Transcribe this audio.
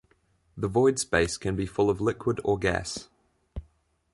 The void space can be full of liquid or gas.